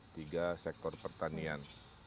wisata tiga sektor pertanian